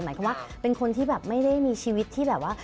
หมายความว่าเป็นคนที่แบบไม่ได้มีชีวิตที่แบบว่า